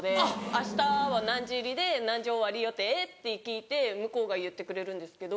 「あしたは何時入りで何時終わり予定？」って聞いて向こうが言ってくれるんですけど。